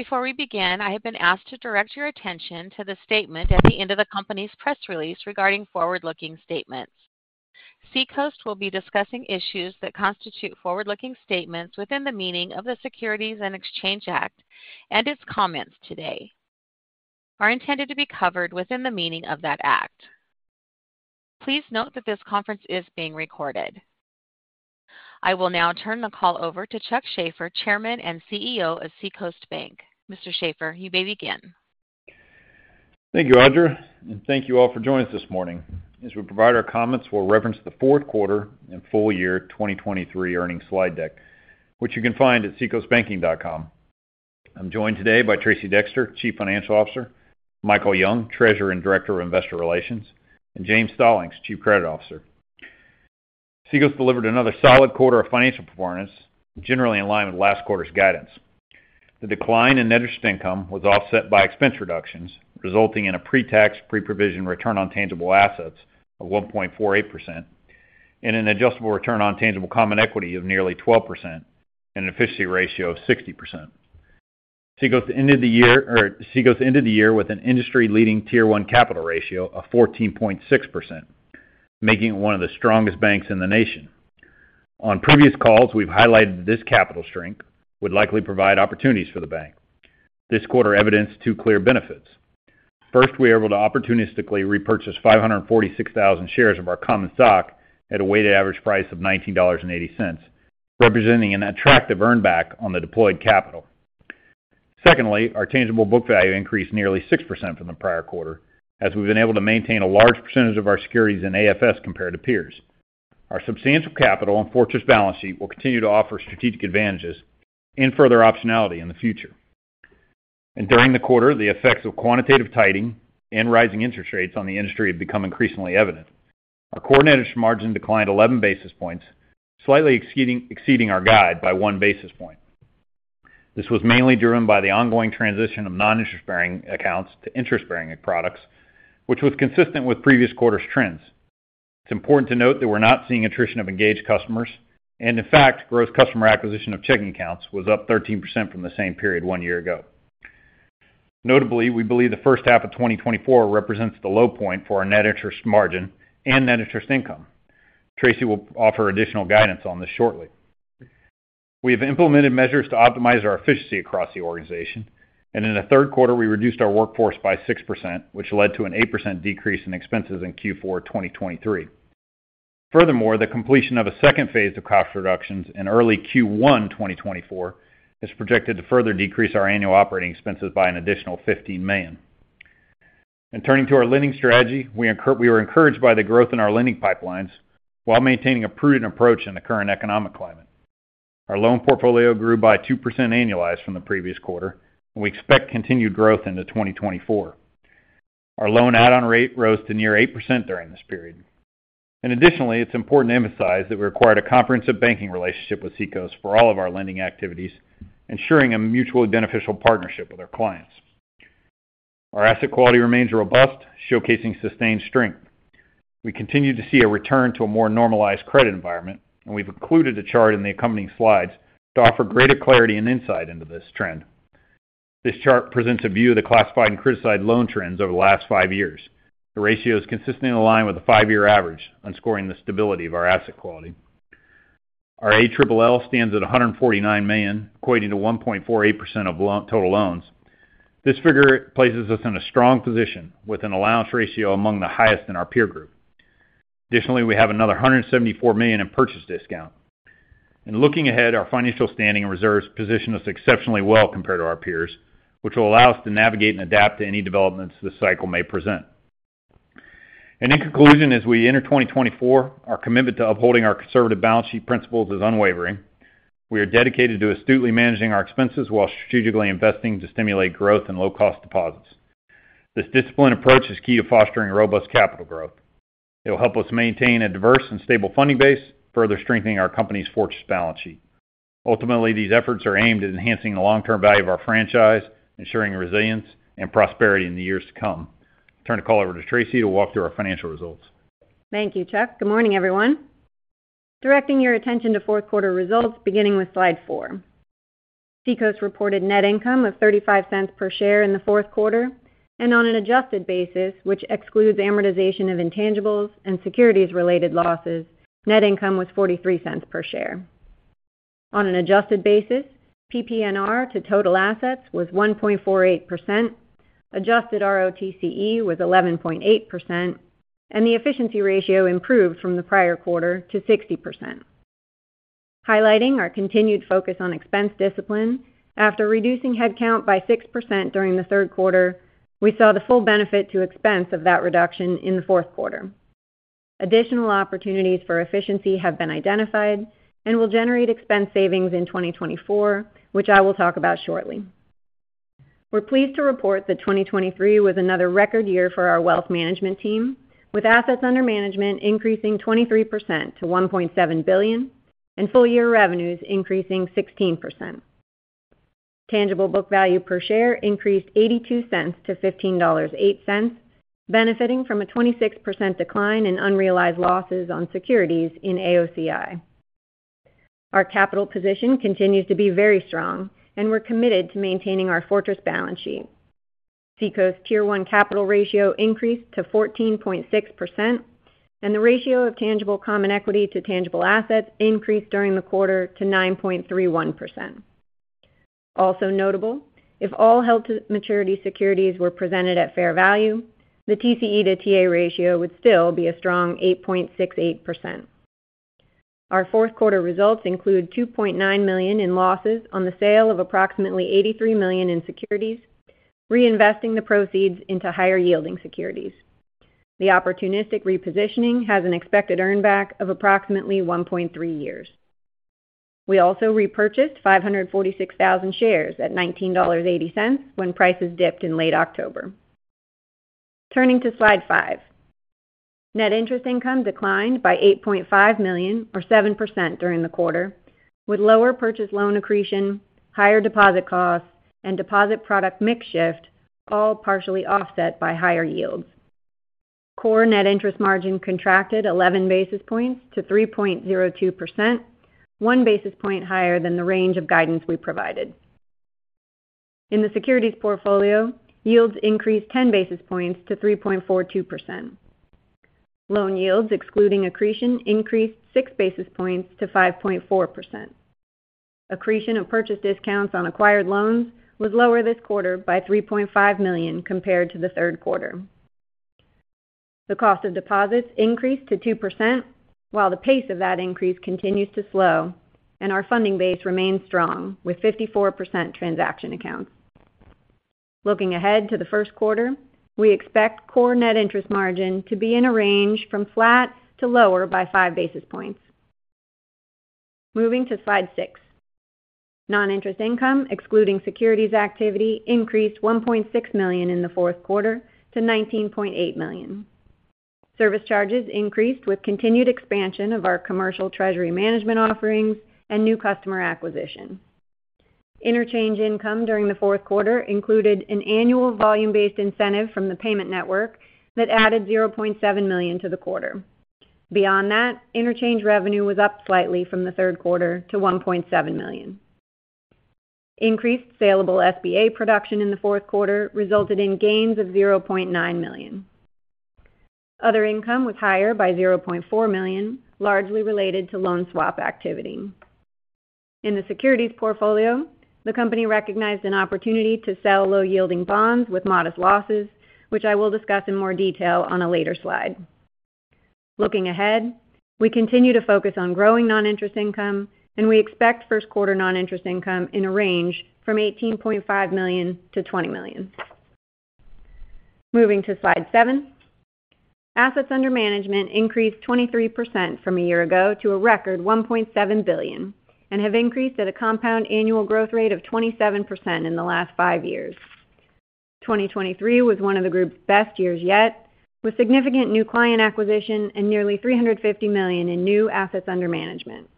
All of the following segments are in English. Before we begin, I have been asked to direct your attention to the statement at the end of the company's press release regarding forward-looking statements. Seacoast will be discussing issues that constitute forward-looking statements within the meaning of the Securities and Exchange Act, and its comments today are intended to be covered within the meaning of that act. Please note that this conference is being recorded. I will now turn the call over to Chuck Shaffer, Chairman and CEO of Seacoast Bank. Mr. Shaffer, you may begin. Thank you, Audra, and thank you all for joining us this morning. As we provide our comments, we'll reference the fourth quarter and full year 2023 earnings slide deck, which you can find at seacoastbanking.com. I'm joined today by Tracey Dexter, Chief Financial Officer, Michael Young, Treasurer and Director of Investor Relations, and James Stallings, Chief Credit Officer. Seacoast delivered another solid quarter of financial performance, generally in line with last quarter's guidance. The decline in net interest income was offset by expense reductions, resulting in a pre-tax, pre-provision return on tangible assets of 1.48% and an adjustable return on tangible common equity of nearly 12% and an efficiency ratio of 60%. Seacoast ended the year with an industry-leading Tier 1 capital ratio of 14.6%, making it one of the strongest banks in the nation. On previous calls, we've highlighted this capital strength would likely provide opportunities for the bank. This quarter evidenced two clear benefits. First, we were able to opportunistically repurchase 546,000 shares of our common stock at a weighted average price of $19.80, representing an attractive earn back on the deployed capital. Secondly, our tangible book value increased nearly 6% from the prior quarter, as we've been able to maintain a large percentage of our securities in AFS compared to peers. Our substantial capital and fortress balance sheet will continue to offer strategic advantages and further optionality in the future. During the quarter, the effects of quantitative tightening and rising interest rates on the industry have become increasingly evident. Our [coordinated] margin declined 11 basis points, slightly exceeding our guide by 1 basis point. This was mainly driven by the ongoing transition of non-interest-bearing accounts to interest-bearing products, which was consistent with previous quarters' trends. It's important to note that we're not seeing attrition of engaged customers, and in fact, gross customer acquisition of checking accounts was up 13% from the same period one year ago. Notably, we believe the first half of 2024 represents the low point for our net interest margin and net interest income. Tracey will offer additional guidance on this shortly. We have implemented measures to optimize our efficiency across the organization, and in the third quarter, we reduced our workforce by 6%, which led to an 8% decrease in expenses in Q4 2023. Furthermore, the completion of a second phase of cost reductions in early Q1 2024 is projected to further decrease our annual operating expenses by an additional $15 million. In turning to our lending strategy, we were encouraged by the growth in our lending pipelines while maintaining a prudent approach in the current economic climate. Our loan portfolio grew by 2% annualized from the previous quarter, and we expect continued growth into 2024. Our loan add-on rate rose to near 8% during this period. And additionally, it's important to emphasize that we required a comprehensive banking relationship with Seacoast for all of our lending activities, ensuring a mutually beneficial partnership with our clients. Our asset quality remains robust, showcasing sustained strength. We continue to see a return to a more normalized credit environment, and we've included a chart in the accompanying slides to offer greater clarity and insight into this trend. This chart presents a view of the classified and criticized loan trends over the last five years. The ratio is consistently in line with the five-year average on scoring the stability of our asset quality. Our ALL stands at $149 million, equating to 1.48% of total loans. This figure places us in a strong position, with an allowance ratio among the highest in our peer group. Additionally, we have another $174 million in purchase discount. In looking ahead, our financial standing and reserves position us exceptionally well compared to our peers, which will allow us to navigate and adapt to any developments this cycle may present. In conclusion, as we enter 2024, our commitment to upholding our conservative balance sheet principles is unwavering. We are dedicated to astutely managing our expenses while strategically investing to stimulate growth and low-cost deposits. This disciplined approach is key to fostering robust capital growth. It will help us maintain a diverse and stable funding base, further strengthening our company's fortress balance sheet. Ultimately, these efforts are aimed at enhancing the long-term value of our franchise, ensuring resilience and prosperity in the years to come. Turn the call over to Tracey to walk through our financial results. Thank you, Chuck. Good morning, everyone. Directing your attention to fourth quarter results, beginning with slide 4. Seacoast reported net income of $0.35 per share in the fourth quarter, and on an adjusted basis, which excludes amortization of intangibles and securities-related losses, net income was $0.43 per share. On an adjusted basis, PPNR to total assets was 1.48%, adjusted ROTCE was 11.8%, and the efficiency ratio improved from the prior quarter to 60%. Highlighting our continued focus on expense discipline, after reducing headcount by 6% during the third quarter, we saw the full benefit to expense of that reduction in the fourth quarter. Additional opportunities for efficiency have been identified and will generate expense savings in 2024, which I will talk about shortly. We're pleased to report that 2023 was another record year for our wealth management team, with assets under management increasing 23% to $1.7 billion, and full-year revenues increasing 16%. Tangible book value per share increased $0.82 to $15.08, benefiting from a 26% decline in unrealized losses on securities in AOCI. Our capital position continues to be very strong, and we're committed to maintaining our fortress balance sheet. Seacoast Tier 1 capital ratio increased to 14.6%, and the ratio of tangible common equity to tangible assets increased during the quarter to 9.31%. Also notable, if all held-to-maturity securities were presented at fair value, the TCE to TA ratio would still be a strong 8.68%. Our fourth quarter results include $2.9 million in losses on the sale of approximately $83 million in securities, reinvesting the proceeds into higher-yielding securities. The opportunistic repositioning has an expected earn back of approximately 1.3 years. We also repurchased 546,000 shares at $19.80 when prices dipped in late October. Turning to slide 5. Net interest income declined by $8.5 million, or 7% during the quarter, with lower purchase loan accretion, higher deposit costs, and deposit product mix shift, all partially offset by higher yields. Core net interest margin contracted 11 basis points to 3.02%, 1 basis point higher than the range of guidance we provided. In the securities portfolio, yields increased 10 basis points to 3.42%. Loan yields, excluding accretion, increased 6 basis points to 5.4%. Accretion of purchase discounts on acquired loans was lower this quarter by $3.5 million compared to the third quarter. The cost of deposits increased to 2%, while the pace of that increase continues to slow and our funding base remains strong with 54% transaction accounts. Looking ahead to the first quarter, we expect core net interest margin to be in a range from flat to lower by 5 basis points. Moving to slide 6. Non-interest income, excluding securities activity, increased $1.6 million in the fourth quarter to $19.8 million. Service charges increased with continued expansion of our commercial treasury management offerings and new customer acquisition. Interchange income during the fourth quarter included an annual volume-based incentive from the payment network that added $0.7 million to the quarter. Beyond that, interchange revenue was up slightly from the third quarter to $1.7 million. Increased salable SBA production in the fourth quarter resulted in gains of $0.9 million. Other income was higher by $0.4 million, largely related to loan swap activity. In the securities portfolio, the company recognized an opportunity to sell low-yielding bonds with modest losses, which I will discuss in more detail on a later slide. Looking ahead, we continue to focus on growing non-interest income, and we expect first quarter non-interest income in a range from $18.5 million-$20 million. Moving to slide 7. Assets under management increased 23% from a year ago to a record $1.7 billion, and have increased at a compound annual growth rate of 27% in the last five years. 2023 was one of the group's best years yet, with significant new client acquisition and nearly $350 million in new assets under management.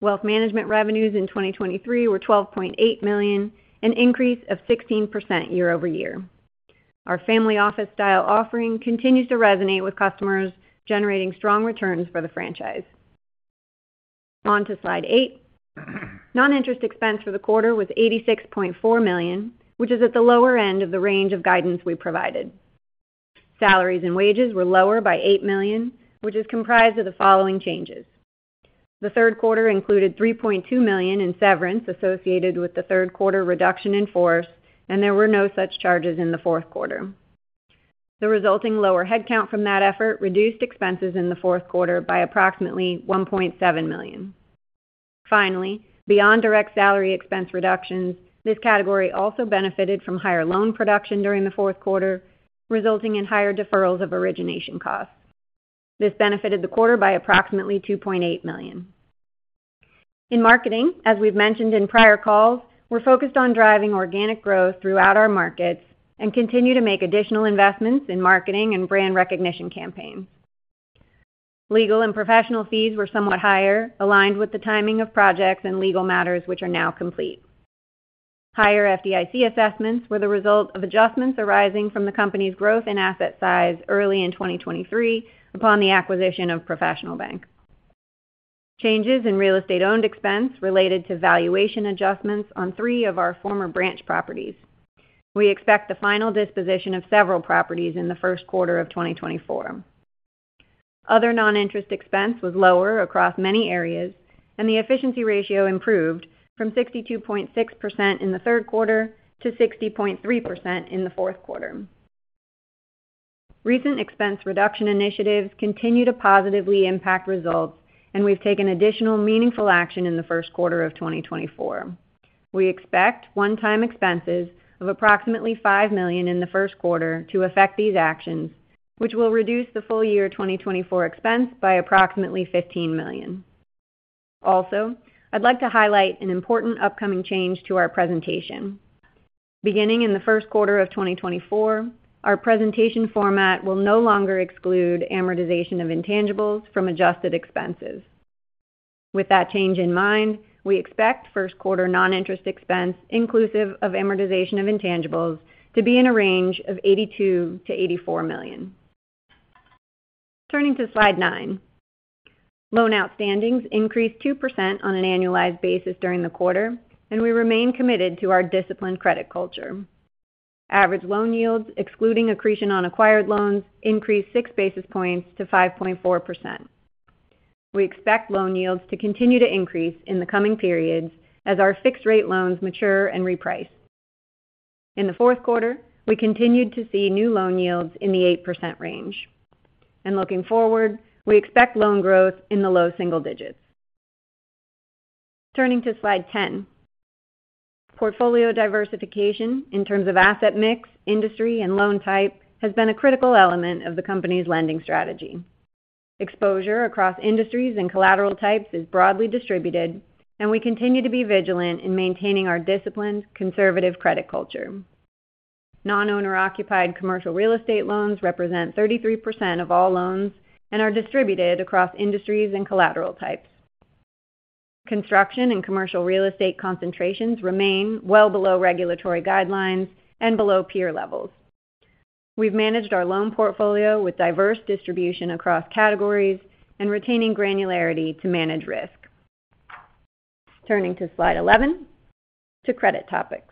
Wealth management revenues in 2023 were $12.8 million, an increase of 16% year-over-year. Our family office style offering continues to resonate with customers, generating strong returns for the franchise. On to slide 8. Non-interest expense for the quarter was $86.4 million, which is at the lower end of the range of guidance we provided. Salaries and wages were lower by $8 million, which is comprised of the following changes. The third quarter included $3.2 million in severance associated with the third quarter reduction in force, and there were no such charges in the fourth quarter. The resulting lower headcount from that effort reduced expenses in the fourth quarter by approximately $1.7 million. Finally, beyond direct salary expense reductions, this category also benefited from higher loan production during the fourth quarter, resulting in higher deferrals of origination costs. This benefited the quarter by approximately $2.8 million. In marketing, as we've mentioned in prior calls, we're focused on driving organic growth throughout our markets and continue to make additional investments in marketing and brand recognition campaigns. Legal and professional fees were somewhat higher, aligned with the timing of projects and legal matters, which are now complete. Higher FDIC assessments were the result of adjustments arising from the company's growth in asset size early in 2023 upon the acquisition of Professional Bank. Changes in real estate owned expense related to valuation adjustments on three of our former branch properties. We expect the final disposition of several properties in the first quarter of 2024. Other non-interest expense was lower across many areas, and the efficiency ratio improved from 62.6% in the third quarter to 60.3% in the fourth quarter. Recent expense reduction initiatives continue to positively impact results, and we've taken additional meaningful action in the first quarter of 2024. We expect one-time expenses of approximately $5 million in the first quarter to affect these actions, which will reduce the full year 2024 expense by approximately $15 million. Also, I'd like to highlight an important upcoming change to our presentation. Beginning in the first quarter of 2024, our presentation format will no longer exclude amortization of intangibles from adjusted expenses. With that change in mind, we expect first quarter non-interest expense, inclusive of amortization of intangibles, to be in a range of $82 million-$84 million..Turning to slide 9. Loan outstandings increased 2% on an annualized basis during the quarter, and we remain committed to our disciplined credit culture. Average loan yields, excluding accretion on acquired loans, increased six basis points to 5.4%. We expect loan yields to continue to increase in the coming periods as our fixed rate loans mature and reprice. In the fourth quarter, we continued to see new loan yields in the 8% range, and looking forward, we expect loan growth in the low single digits. Turning to slide 10. Portfolio diversification in terms of asset mix, industry, and loan type has been a critical element of the company's lending strategy. Exposure across industries and collateral types is broadly distributed, and we continue to be vigilant in maintaining our disciplined, conservative credit culture. Non-owner occupied commercial real estate loans represent 33% of all loans and are distributed across industries and collateral types. Construction and commercial real estate concentrations remain well below regulatory guidelines and below peer levels. We've managed our loan portfolio with diverse distribution across categories and retaining granularity to manage risk. Turning to slide 11, to credit topics.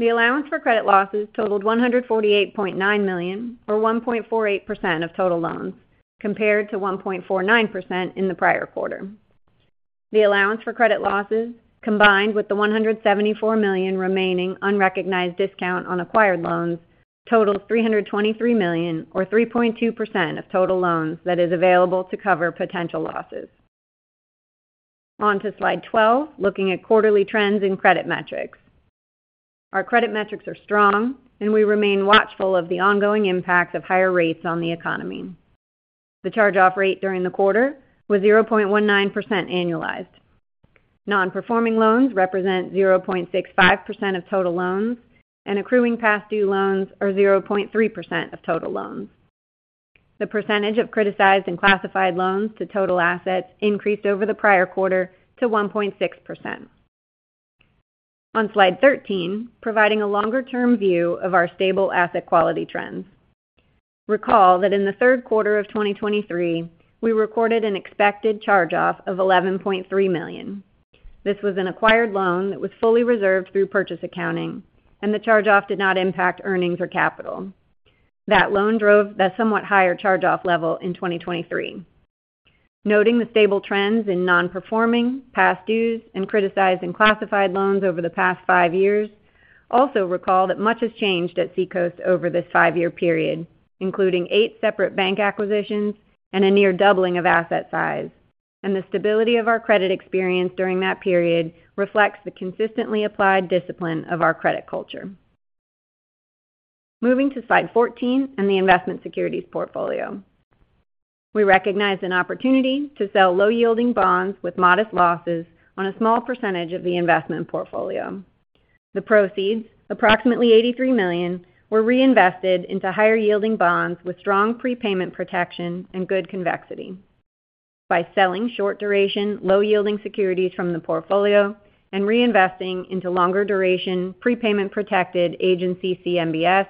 The allowance for credit losses totaled $148.9 million, or 1.48% of total loans, compared to 1.49% in the prior quarter. The allowance for credit losses, combined with the $174 million remaining unrecognized discount on acquired loans, totals $323 million, or 3.2% of total loans, that is available to cover potential losses. On to slide 12, looking at quarterly trends in credit metrics. Our credit metrics are strong, and we remain watchful of the ongoing impact of higher rates on the economy. The charge-off rate during the quarter was 0.19% annualized. Non-performing loans represent 0.65% of total loans, and accruing past due loans are 0.3% of total loans. The percentage of criticized and classified loans to total assets increased over the prior quarter to 1.6%. On slide 13, providing a longer-term view of our stable asset quality trends. Recall that in the third quarter of 2023, we recorded an expected charge-off of $11.3 million. This was an acquired loan that was fully reserved through purchase accounting, and the charge-off did not impact earnings or capital. That loan drove the somewhat higher charge-off level in 2023. Noting the stable trends in non-performing, past dues, and criticized and classified loans over the past five years, also recall that much has changed at Seacoast over this five-year period, including eight separate bank acquisitions and a near doubling of asset size. The stability of our credit experience during that period reflects the consistently applied discipline of our credit culture. Moving to slide 14 and the investment securities portfolio. We recognized an opportunity to sell low-yielding bonds with modest losses on a small percentage of the investment portfolio. The proceeds, approximately $83 million, were reinvested into higher-yielding bonds with strong prepayment protection and good convexity. By selling short-duration, low-yielding securities from the portfolio and reinvesting into longer-duration, prepayment-protected Agency CMBS,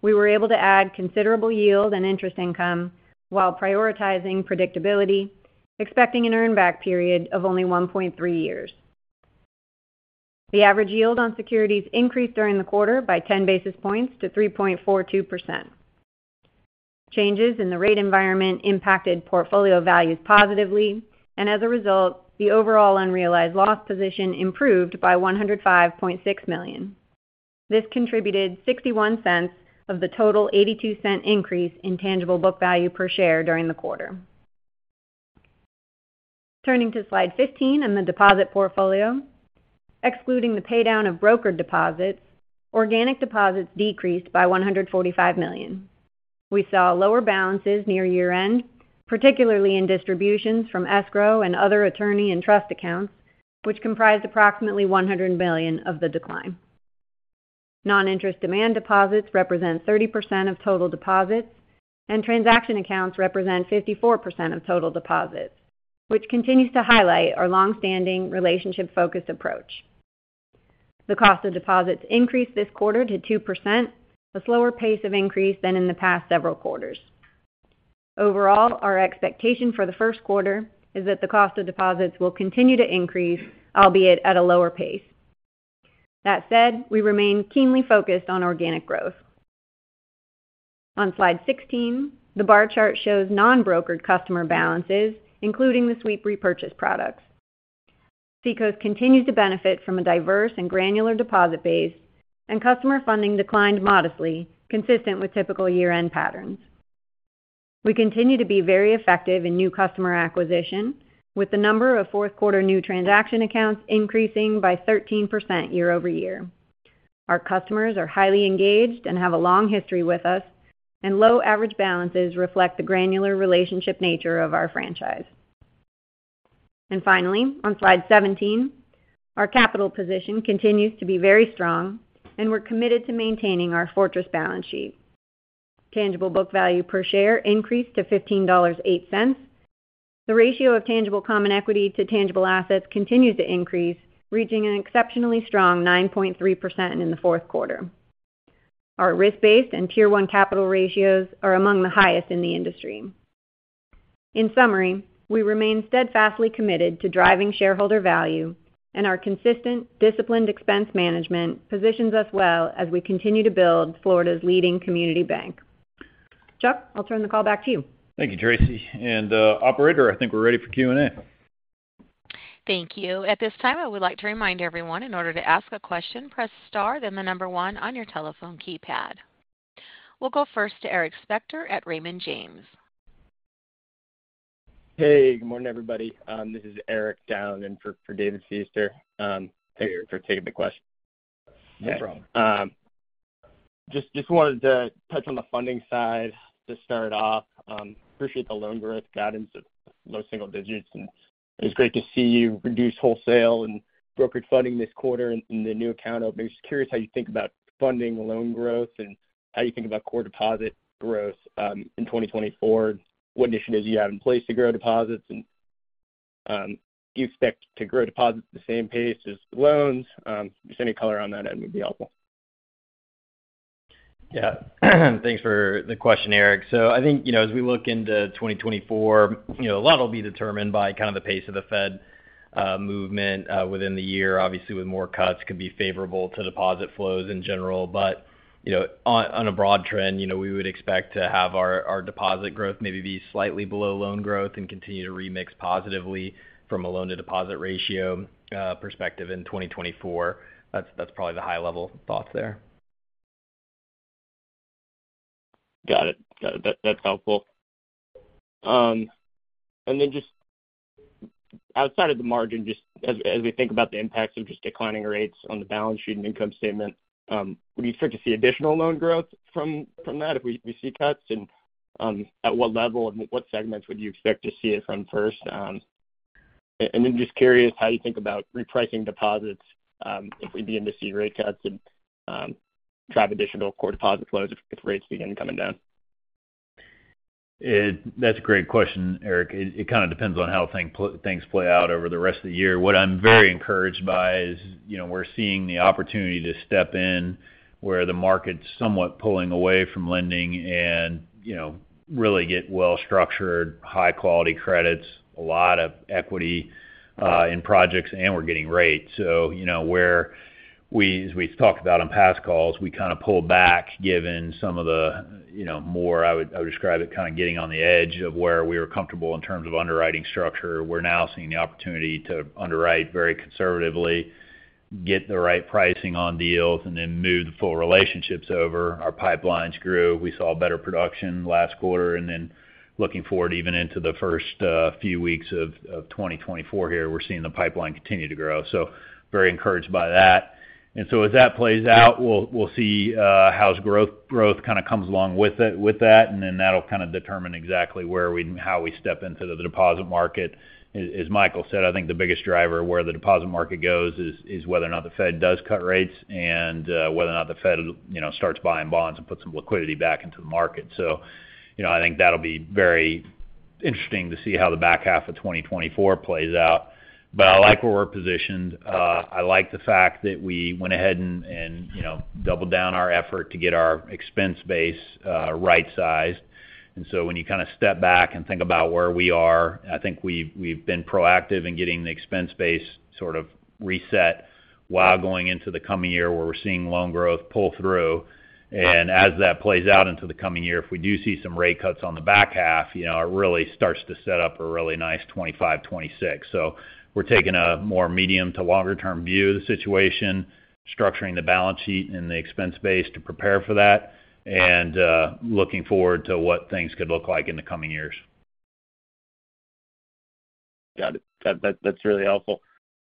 we were able to add considerable yield and interest income while prioritizing predictability, expecting an earn-back period of only 1.3 years. The average yield on securities increased during the quarter by 10 basis points to 3.42%. Changes in the rate environment impacted portfolio values positively, and as a result, the overall unrealized loss position improved by $105.6 million. This contributed $0.61 of the total $0.82 increase in tangible book value per share during the quarter. Turning to slide 15 and the deposit portfolio. Excluding the paydown of brokered deposits, organic deposits decreased by $145 million. We saw lower balances near year-end, particularly in distributions from escrow and other attorney and trust accounts, which comprised approximately $100 million of the decline. Non-interest demand deposits represent 30% of total deposits, and transaction accounts represent 54% of total deposits, which continues to highlight our long-standing relationship-focused approach. The cost of deposits increased this quarter to 2%, a slower pace of increase than in the past several quarters. Overall, our expectation for the first quarter is that the cost of deposits will continue to increase, albeit at a lower pace. That said, we remain keenly focused on organic growth. On slide 16, the bar chart shows non-brokered customer balances, including the sweep repurchase products. Seacoast continues to benefit from a diverse and granular deposit base, and customer funding declined modestly, consistent with typical year-end patterns. We continue to be very effective in new customer acquisition, with the number of fourth quarter new transaction accounts increasing by 13% year-over-year. Our customers are highly engaged and have a long history with us, and low average balances reflect the granular relationship nature of our franchise. Finally, on slide 17, our capital position continues to be very strong, and we're committed to maintaining our fortress balance sheet. Tangible book value per share increased to $15.08. The ratio of tangible common equity to tangible assets continued to increase, reaching an exceptionally strong 9.3% in the fourth quarter. Our risk-based and Tier 1 capital ratios are among the highest in the industry. In summary, we remain steadfastly committed to driving shareholder value, and our consistent, disciplined expense management positions us well as we continue to build Florida's leading community bank. Chuck, I'll turn the call back to you. Thank you, Tracey. And, operator, I think we're ready for Q&A. Thank you. At this time, I would like to remind everyone, in order to ask a question, press star, then 1 on your telephone keypad. We'll go first to Eric Spector at Raymond James. Hey, good morning, everybody. This is Eric, filling in for David Feaster. Thank you for taking the question. No problem. Just, just wanted to touch on the funding side to start off. Appreciate the loan growth guidance of low single digits, and it's great to see you reduce wholesale and brokered funding this quarter and the new account openings. Just curious how you think about funding loan growth and how you think about core deposit growth, in 2024. What initiatives do you have in place to grow deposits? Do you expect to grow deposits at the same pace as loans? Just any color on that, that would be helpful. Yeah. Thanks for the question, Eric. So I think, you know, as we look into 2024, you know, a lot will be determined by kind of the pace of the Fed movement within the year. Obviously, with more cuts, could be favorable to deposit flows in general. But, you know, on a broad trend, you know, we would expect to have our deposit growth maybe be slightly below loan growth and continue to remix positively from a loan to deposit ratio perspective in 2024. That's probably the high level thoughts there. Got it. Got it. That's helpful. And then just outside of the margin, just as we think about the impacts of just declining rates on the balance sheet and income statement, would you expect to see additional loan growth from that if we see cuts? And at what level and what segments would you expect to see it from first? And then just curious how you think about repricing deposits if we begin to see rate cuts and drive additional core deposit flows if rates begin coming down. That's a great question, Eric. It kind of depends on how things play out over the rest of the year. What I'm very encouraged by is, you know, we're seeing the opportunity to step in where the market's somewhat pulling away from lending and, you know, really get well-structured, high-quality credits, a lot of equity, in projects, and we're getting rates. So, you know, where we, as we've talked about on past calls, we kind of pulled back, given some of the, you know, more I would describe it, kind of getting on the edge of where we were comfortable in terms of underwriting structure. We're now seeing the opportunity to underwrite very conservatively, get the right pricing on deals, and then move the full relationships over. Our pipelines grew. We saw better production last quarter, and then looking forward, even into the first few weeks of 2024 here, we're seeing the pipeline continue to grow. So very encouraged by that. And so as that plays out, we'll see how growth kind of comes along with that, and then that'll kind of determine exactly how we step into the deposit market. As Michael said, I think the biggest driver where the deposit market goes is whether or not the Fed does cut rates and whether or not the Fed, you know, starts buying bonds and put some liquidity back into the market. So, you know, I think that'll be very interesting to see how the back half of 2024 plays out. But I like where we're positioned. I like the fact that we went ahead and, you know, doubled down our effort to get our expense base right-sized. And so when you kind of step back and think about where we are, I think we've been proactive in getting the expense base sort of reset while going into the coming year, where we're seeing loan growth pull through. And as that plays out into the coming year, if we do see some rate cuts on the back half, you know, it really starts to set up a really nice 2025, 2026. So we're taking a more medium to longer term view of the situation, structuring the balance sheet and the expense base to prepare for that, and looking forward to what things could look like in the coming years. Got it. That, that's really helpful.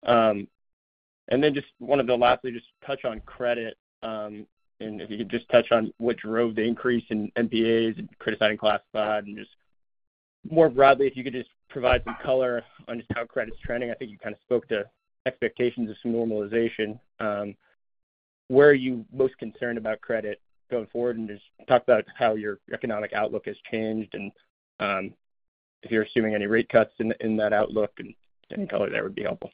And then just wanted to lastly, just touch on credit. And if you could just touch on what drove the increase in NPAs and criticized classified, and just more broadly, if you could just provide some color on just how credit's trending. I think you kind of spoke to expectations of some normalization. Where are you most concerned about credit going forward? And just talk about how your economic outlook has changed and, if you're assuming any rate cuts in, in that outlook, and any color there would be helpful.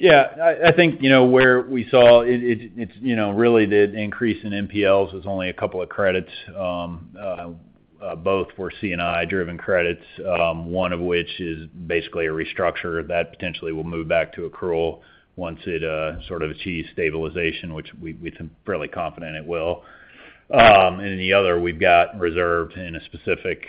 Yeah, I think, you know, where we saw it, it's, you know, really the increase in NPLs was only a couple of credits, both for C&I-driven credits, one of which is basically a restructure that potentially will move back to accrual once it sort of achieves stabilization, which we're fairly confident it will. And the other, we've got reserved in a specific,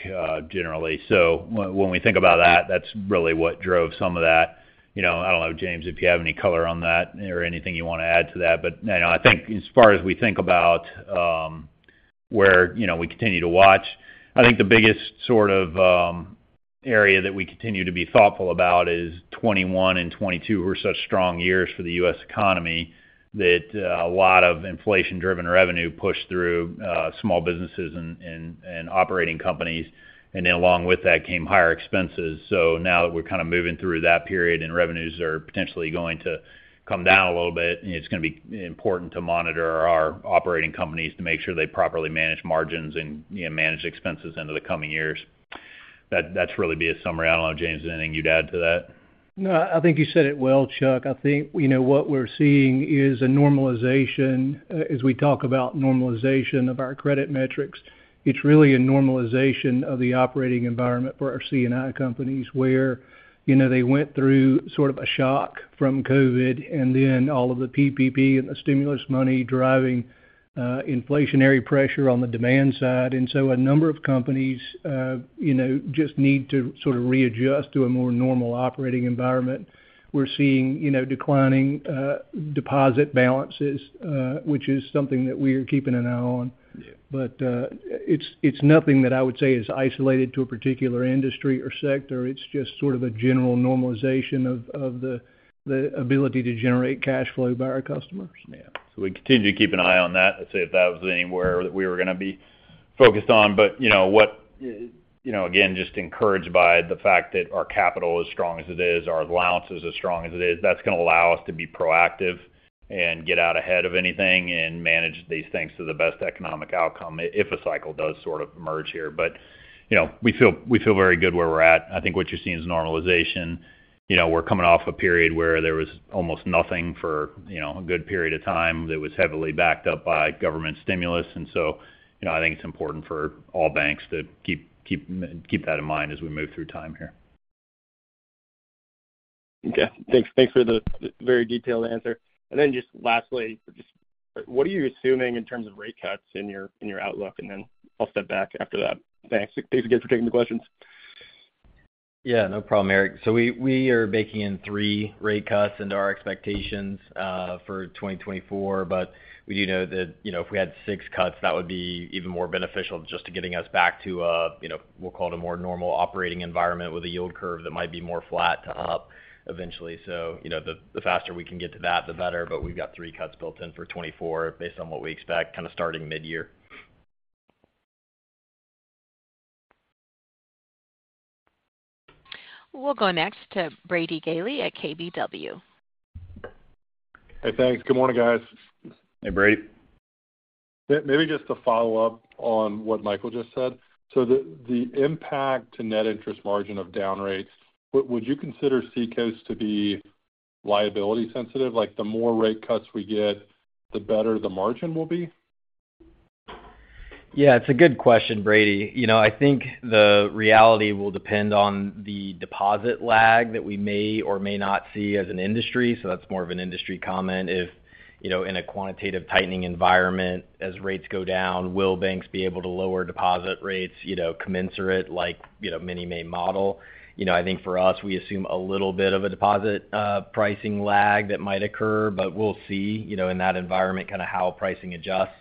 generally. So when we think about that, that's really what drove some of that. You know, I don't know, James, if you have any color on that or anything you want to add to that. But, you know, I think as far as we think about where, you know, we continue to watch, I think the biggest sort of area that we continue to be thoughtful about is 2021 and 2022 were such strong years for the U.S. economy, that a lot of inflation-driven revenue pushed through small businesses and operating companies, and then along with that came higher expenses. So now that we're kind of moving through that period and revenues are potentially going to come down a little bit, it's going to be important to monitor our operating companies to make sure they properly manage margins and, you know, manage expenses into the coming years. That, that's really a summary. I don't know, James, anything you'd add to that? No, I think you said it well, Chuck. I think, you know, what we're seeing is a normalization. As we talk about normalization of our credit metrics, it's really a normalization of the operating environment for our C&I companies, where, you know, they went through sort of a shock from COVID, and then all of the PPP and the stimulus money driving inflationary pressure on the demand side. And so a number of companies, you know, just need to sort of readjust to a more normal operating environment. We're seeing, you know, declining deposit balances, which is something that we are keeping an eye on. Yeah. But, it's nothing that I would say is isolated to a particular industry or sector. It's just sort of a general normalization of the ability to generate cash flow by our customers. Yeah. So we continue to keep an eye on that. I'd say if that was anywhere that we were going to be focused on. But, you know, what—you know, again, just encouraged by the fact that our capital is strong as it is, our allowance is as strong as it is, that's going to allow us to be proactive and get out ahead of anything and manage these things to the best economic outcome if a cycle does sort of merge here. But, you know, we feel, we feel very good where we're at. I think what you're seeing is normalization. You know, we're coming off a period where there was almost nothing for, you know, a good period of time that was heavily backed up by government stimulus, and so, you know, I think it's important for all banks to keep, keep, keep that in mind as we move through time here. Okay. Thanks for the very detailed answer. And then just lastly, what are you assuming in terms of rate cuts in your outlook? And then I'll step back after that. Thanks. Thanks again for taking the questions. Yeah, no problem, Eric. So we are baking in three rate cuts into our expectations for 2024. But we do know that, you know, if we had six cuts, that would be even more beneficial just to getting us back to a, you know, we'll call it a more normal operating environment with a yield curve that might be more flat to up eventually. So, you know, the faster we can get to that, the better, but we've got three cuts built in for 2024, based on what we expect, kind of, starting midyear. We'll go next to Brady Gailey at KBW. Hey, thanks. Good morning, guys. Hey, Brady. Maybe just to follow up on what Michael just said. So the impact to net interest margin of down rates, would you consider Seacoast to be liability sensitive? Like, the more rate cuts we get, the better the margin will be? Yeah, it's a good question, Brady. You know, I think the reality will depend on the deposit lag that we may or may not see as an industry, so that's more of an industry comment. If, you know, in a quantitative tightening environment, as rates go down, will banks be able to lower deposit rates, you know, commensurate, like, you know, many may model? You know, I think for us, we assume a little bit of a deposit pricing lag that might occur, but we'll see, you know, in that environment, kind of how pricing adjusts.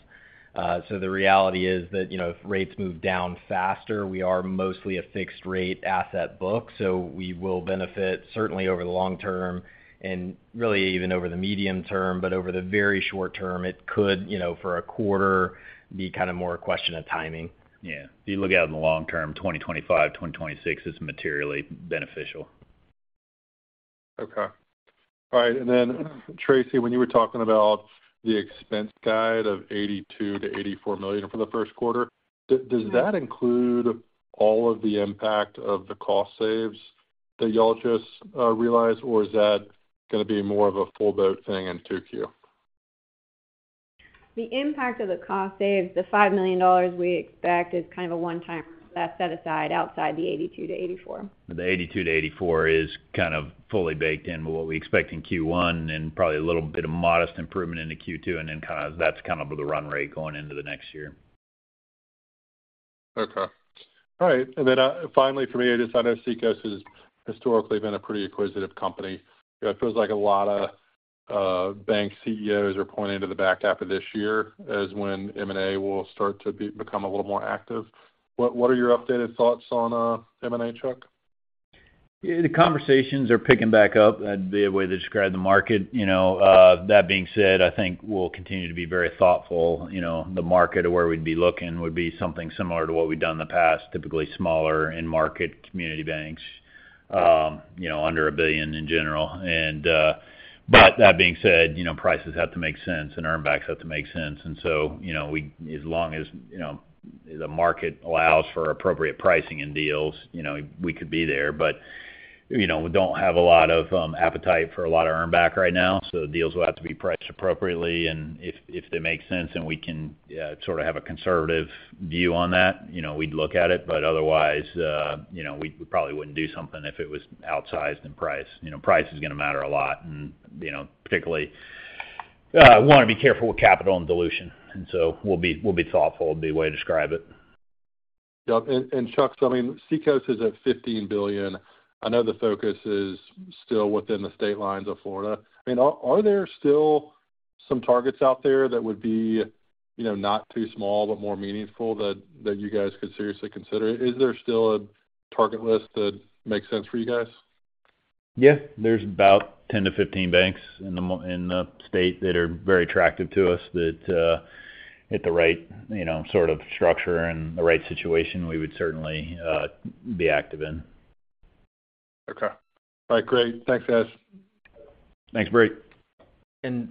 The reality is that, you know, if rates move down faster, we are mostly a fixed rate asset book, so we will benefit certainly over the long term and really even over the medium term, but over the very short term, it could, you know, for a quarter, be kind of more a question of timing. Yeah. If you look out in the long term, 2025, 2026 is materially beneficial. Okay. All right, and then, Tracey, when you were talking about the expense guide of $82 million-$84 million for the first quarter, does, does that include all of the impact of the cost saves that you all just realized, or is that going to be more of a full boat thing in 2Q? The impact of the cost saves, the $5 million we expect, is kind of a one-time set aside outside the 82-84. The 82-84 is kind of fully baked in what we expect in Q1 and probably a little bit of modest improvement into Q2, and then kind of, that's kind of the run rate going into the next year. Okay. All right, and then, finally, for me, I just thought, you know, Seacoast has historically been a pretty acquisitive company. It feels like a lot of bank CEOs are pointing to the back half of this year as when M&A will start to become a little more active. What are your updated thoughts on M&A, Chuck? Yeah, the conversations are picking back up. That'd be a way to describe the market. You know, that being said, I think we'll continue to be very thoughtful. You know, the market of where we'd be looking would be something similar to what we've done in the past, typically smaller in-market community banks, under a billion in general. But that being said, you know, prices have to make sense and earn backs have to make sense. And so, you know, we as long as, you know, the market allows for appropriate pricing in deals, you know, we could be there. But, you know, we don't have a lot of appetite for a lot of earn back right now, so the deals will have to be priced appropriately. If they make sense then we can sort of have a conservative view on that, you know, we'd look at it, but otherwise, you know, we probably wouldn't do something if it was outsized in price. You know, price is going to matter a lot, and, you know, particularly, we want to be careful with capital and dilution, and so we'll be thoughtful, would be a way to describe it. Yeah. And, Chuck, so I mean, Seacoast is at $15 billion. I know the focus is still within the state lines of Florida. I mean, are there still some targets out there that would be, you know, not too small, but more meaningful, that you guys could seriously consider? Is there still a target list that makes sense for you guys? Yeah. There's about 10-15 banks in the state that are very attractive to us, that, at the right, you know, sort of structure and the right situation, we would certainly be active in. Okay. All right, great. Thanks, guys. Thanks, Brady.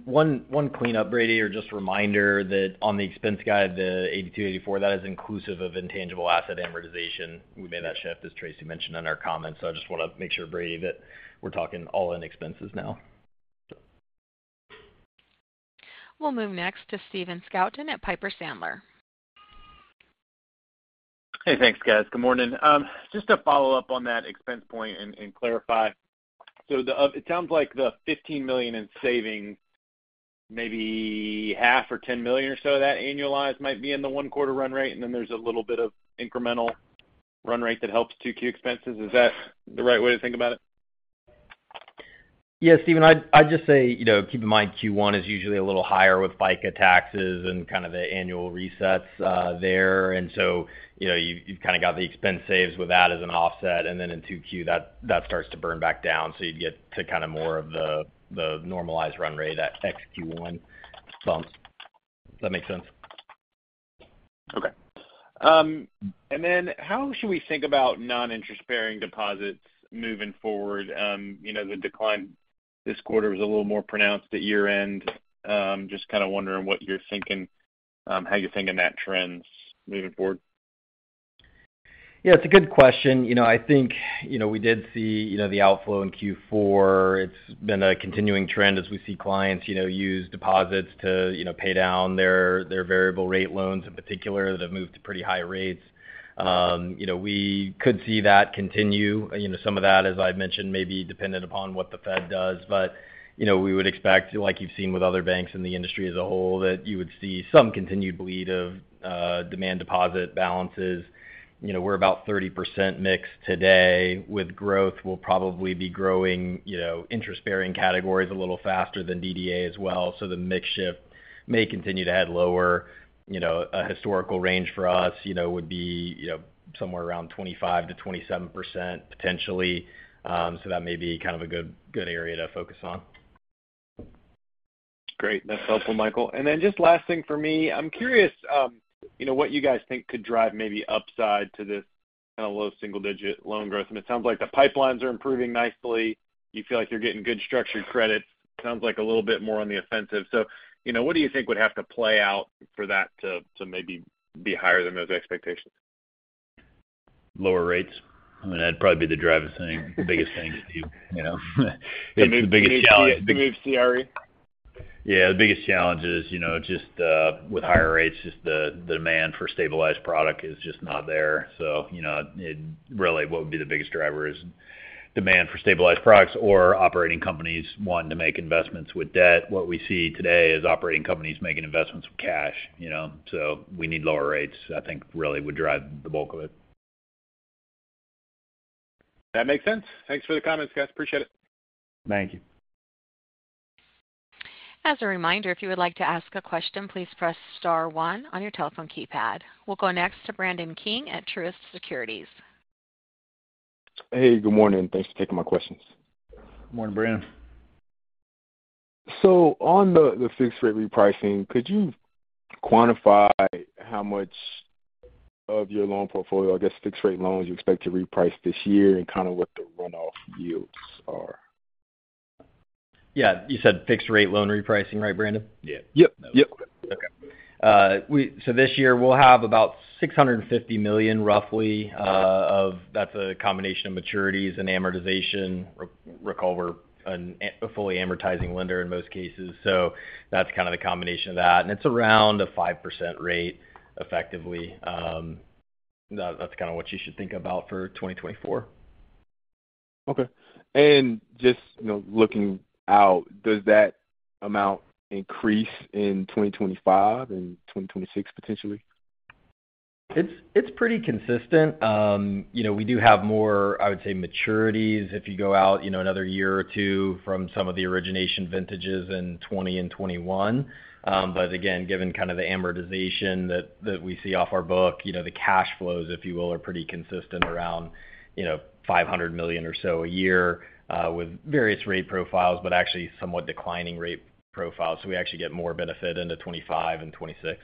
One cleanup, Brady, or just a reminder that on the expense guide, the $82-$84, that is inclusive of intangible asset amortization. We made that shift, as Tracey mentioned in our comments. So I just want to make sure, Brady, that we're talking all-in expenses now, so. We'll move next to Stephen Scouton at Piper Sandler. Hey, thanks, guys. Good morning. Just to follow up on that expense point and clarify: so the, it sounds like the $15 million in savings, maybe half or $10 million or so of that annualized might be in the one quarter run rate, and then there's a little bit of incremental run rate that helps 2Q expenses. Is that the right way to think about it? Yeah, Stephen, I'd just say, you know, keep in mind, Q1 is usually a little higher with FICA taxes and kind of the annual resets there. And so, you know, you've kind of got the expense saves with that as an offset, and then in 2Q, that starts to burn back down. So you'd get to kind of more of the normalized run rate, that ex Q1 bump. Does that make sense? Okay. And then how should we think about non-interest-bearing deposits moving forward? You know, the decline this quarter was a little more pronounced at year-end. Just kind of wondering what you're thinking, how you're thinking that trend's moving forward? Yeah, it's a good question. You know, I think, you know, we did see, you know, the outflow in Q4. It's been a continuing trend as we see clients, you know, use deposits to, you know, pay down their variable rate loans, in particular, that have moved to pretty high rates. You know, we could see that continue. You know, some of that, as I've mentioned, may be dependent upon what the Fed does. But, you know, we would expect, like you've seen with other banks in the industry as a whole, that you would see some continued bleed of demand deposit balances. You know, we're about 30% mix today. With growth, we'll probably be growing, you know, interest-bearing categories a little faster than DDA as well, so the mix shift may continue to head lower. You know, a historical range for us, you know, would be, you know, somewhere around 25%-27%, potentially. So that may be kind of a good, good area to focus on. Great. That's helpful, Michael. And then just last thing for me, I'm curious, you know, what you guys think could drive maybe upside to this kind of low single-digit loan growth. I mean, it sounds like the pipelines are improving nicely. You feel like you're getting good structured credit. Sounds like a little bit more on the offensive. So, you know, what do you think would have to play out for that to maybe be higher than those expectations? Lower rates. I mean, that'd probably be the driving thing, the biggest thing to you, you know? It's the biggest challenge- To move CRE? Yeah, the biggest challenge is, you know, just with higher rates, just the demand for stabilized product is just not there. So, you know, it really, what would be the biggest driver is demand for stabilized products or operating companies wanting to make investments with debt. What we see today is operating companies making investments with cash, you know, so we need lower rates, I think really would drive the bulk of it. That makes sense. Thanks for the comments, guys. Appreciate it. Thank you. As a reminder, if you would like to ask a question, please press star one on your telephone keypad. We'll go next to Brandon King at Truist Securities. Hey, good morning. Thanks for taking my questions. Good morning, Brandon. So on the fixed-rate repricing, could you quantify how much of your loan portfolio, I guess, fixed-rate loans you expect to reprice this year and kind of what the runoff yields are? Yeah. You said fixed-rate loan repricing, right, Brandon? Yeah. Yep. Yep. Okay. So this year, we'll have about $650 million, roughly, of... That's a combination of maturities and amortization. Recall, we're a fully amortizing lender in most cases, so that's kind of the combination of that, and it's around a 5% rate, effectively. That's kind of what you should think about for 2024. Okay. Just, you know, looking out, does that amount increase in 2025 and 2026, potentially? It's pretty consistent. You know, we do have more, I would say, maturities, if you go out, you know, another year or two from some of the origination vintages in 2020 and 2021. But again, given kind of the amortization that we see off our book, you know, the cash flows, if you will, are pretty consistent around, you know, $500 million or so a year, with various rate profiles, but actually somewhat declining rate profiles. So we actually get more benefit into 2025 and 2026.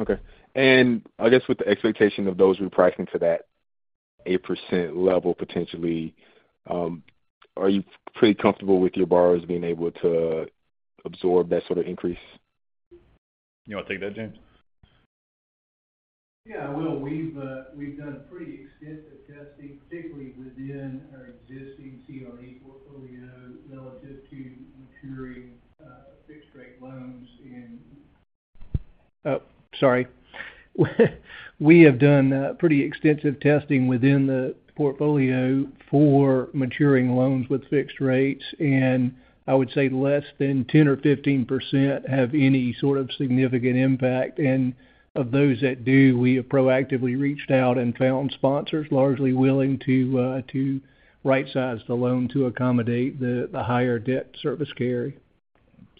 Okay. And I guess with the expectation of those repricing to that 8% level, potentially, are you pretty comfortable with your borrowers being able to absorb that sort of increase? You want to take that, James? Yeah, I will. We've done pretty extensive testing, particularly within our existing CRE portfolio, relative to maturing fixed-rate loans in... Oh, sorry. We have done pretty extensive testing within the portfolio for maturing loans with fixed rates, and I would say less than 10 or 15% have any sort of significant impact. Of those that do, we have proactively reached out and found sponsors largely willing to rightsize the loan to accommodate the higher debt service carry.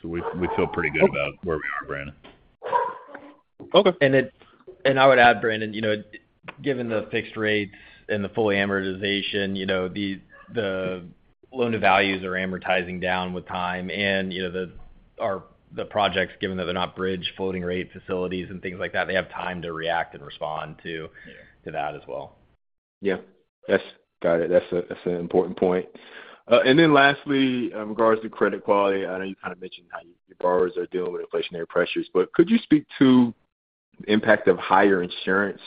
So we feel pretty good about where we are, Brandon. Okay. I would add, Brandon, you know, given the fixed rates and the full amortization, you know, the loan to values are amortizing down with time and, you know, the projects, given that they're not bridge floating rate facilities and things like that, they have time to react and respond to that as well. Yeah. Yes, got it. That's a, that's an important point. And then lastly, regards to credit quality, I know you kind of mentioned how your borrowers are dealing with inflationary pressures, but could you speak to the impact of higher insurance?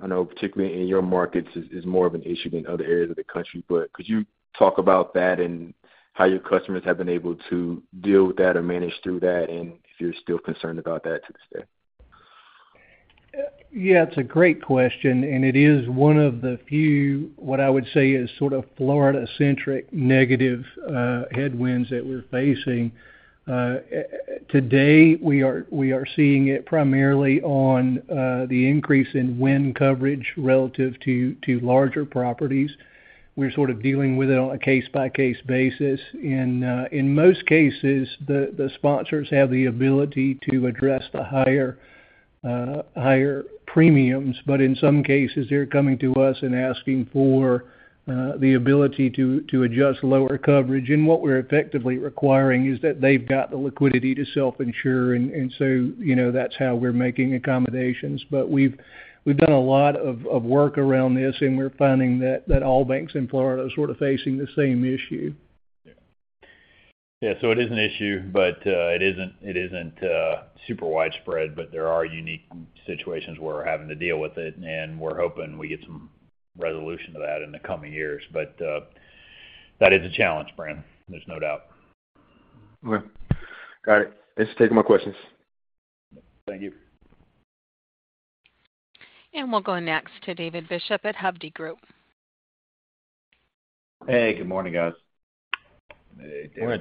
I know, particularly in your markets, is more of an issue than other areas of the country, but could you talk about that and how your customers have been able to deal with that or manage through that, and if you're still concerned about that to this day? Yeah, it's a great question, and it is one of the few, what I would say is sort of Florida-centric negative headwinds that we're facing. Today, we are seeing it primarily on the increase in wind coverage relative to larger properties. We're sort of dealing with it on a case-by-case basis, and in most cases, the sponsors have the ability to address the higher premiums. But in some cases, they're coming to us and asking for the ability to adjust lower coverage. And what we're effectively requiring is that they've got the liquidity to self-insure, and so, you know, that's how we're making accommodations. But we've done a lot of work around this, and we're finding that all banks in Florida are sort of facing the same issue. Yeah. Yeah, so it is an issue, but it isn't super widespread, but there are unique situations where we're having to deal with it, and we're hoping we get some resolution to that in the coming years. But that is a challenge, Brandon, there's no doubt. Okay. Got it. That's it for take my questions. Thank you. We'll go next to David Bishop at Hovde Group. Hey, good morning, guys. Hey, David. Good morning,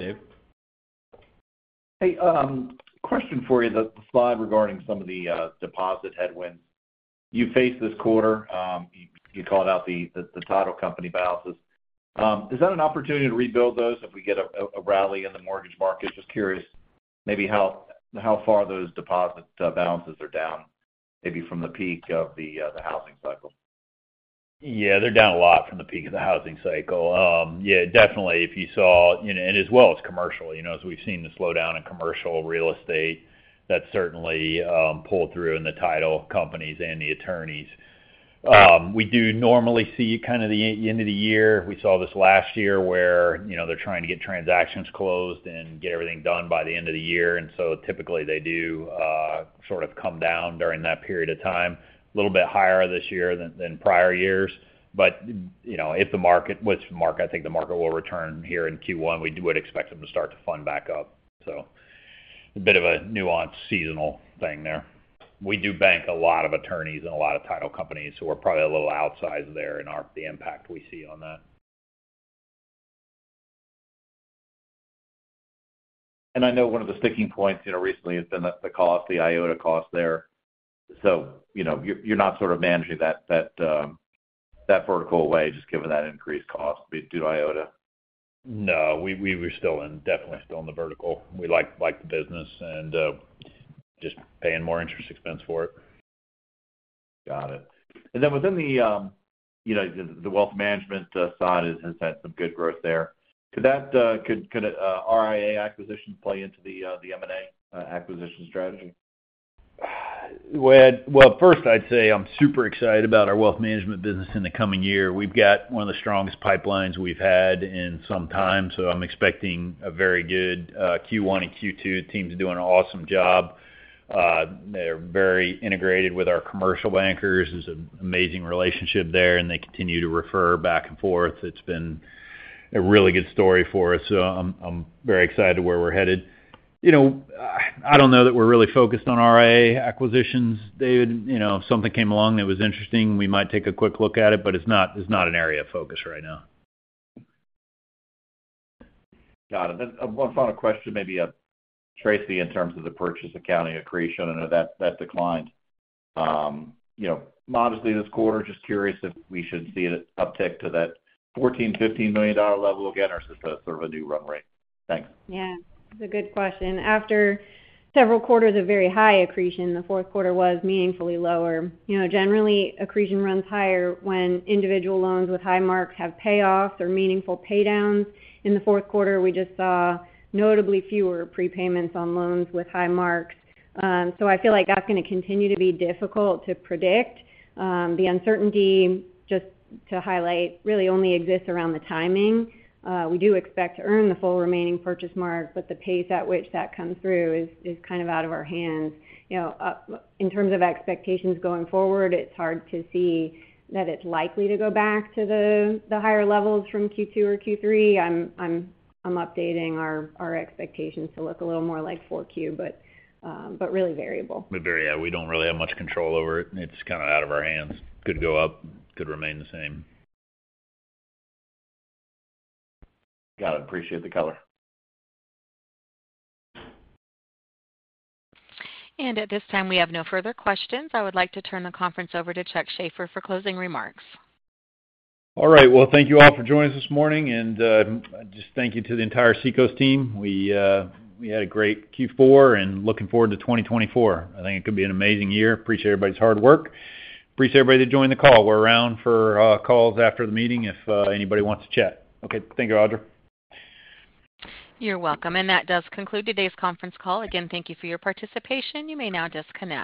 Dave. Hey, question for you. The slide regarding some of the deposit headwinds you faced this quarter, you called out the title company balances. Is that an opportunity to rebuild those if we get a rally in the mortgage market? Just curious maybe how far those deposit balances are down, maybe from the peak of the housing cycle. Yeah, they're down a lot from the peak of the housing cycle. Yeah, definitely. If you saw... You know, and as well as commercial, you know, as we've seen the slowdown in commercial real estate, that certainly pulled through in the title companies and the attorneys. We do normally see kind of the end of the year, we saw this last year, where, you know, they're trying to get transactions closed and get everything done by the end of the year, and so typically they do sort of come down during that period of time. A little bit higher this year than prior years, but, you know, if the market, which market, I think the market will return here in Q1, we would expect them to start to fund back up. So a bit of a nuanced seasonal thing there. We do bank a lot of attorneys and a lot of title companies, so we're probably a little outsized there in our, the impact we see on that. And I know one of the sticking points, you know, recently has been the cost, the IOTA cost there. So, you know, you're not sort of managing that vertical away, just given that increased cost due to IOTA? No, we're still in, definitely still in the vertical. We like the business and just paying more interest expense for it. Got it. And then within the, you know, the wealth management side has had some good growth there. Could that RIA acquisitions play into the M&A acquisition strategy? Well, well, first I'd say I'm super excited about our wealth management business in the coming year. We've got one of the strongest pipelines we've had in some time, so I'm expecting a very good Q1 and Q2. The team's doing an awesome job. They're very integrated with our commercial bankers. There's an amazing relationship there, and they continue to refer back and forth. It's been a really good story for us, so I'm, I'm very excited where we're headed. You know, I, I don't know that we're really focused on RIA acquisitions, David. You know, if something came along that was interesting, we might take a quick look at it, but it's not, it's not an area of focus right now. Got it. Then one final question, maybe, Tracey, in terms of the purchase accounting accretion, I know that, that declined, you know, modestly this quarter. Just curious if we should see an uptick to that $14-$15 million level again, or is this sort of a new run rate? Thanks. Yeah, it's a good question. After several quarters of very high accretion, the fourth quarter was meaningfully lower. You know, generally, accretion runs higher when individual loans with high marks have payoffs or meaningful paydowns. In the fourth quarter, we just saw notably fewer prepayments on loans with high marks. So I feel like that's gonna continue to be difficult to predict. The uncertainty, just to highlight, really only exists around the timing. We do expect to earn the full remaining purchase mark, but the pace at which that comes through is kind of out of our hands. You know, in terms of expectations going forward, it's hard to see that it's likely to go back to the higher levels from Q2 or Q3. I'm updating our expectations to look a little more like 4Q, but really variable. But very, yeah, we don't really have much control over it. It's kind of out of our hands. Could go up, could remain the same. Got it. Appreciate the color. At this time, we have no further questions. I would like to turn the conference over to Chuck Shaffer for closing remarks. All right. Well, thank you all for joining us this morning, and, just thank you to the entire Seacoast team. We, we had a great Q4 and looking forward to 2024. I think it could be an amazing year. Appreciate everybody's hard work. Appreciate everybody that joined the call. We're around for, calls after the meeting if, anybody wants to chat. Okay. Thank you, Audra. You're welcome. And that does conclude today's conference call. Again, thank you for your participation. You may now disconnect.